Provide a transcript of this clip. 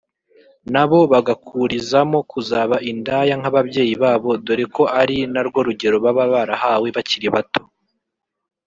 nabo bagakurizamo kuzaba indaya nk’ababyeyi babo dore ko ari na rwo rugero baba barahawe bakiri bato